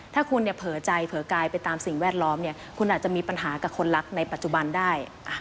ถ้าคุณเนี่ยเผลอใจเผลอกายไปตามสิ่งแวดล้อมเนี่ยคุณอาจจะมีปัญหากับคนรักในปัจจุบันได้